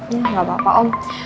ya gak apa apa om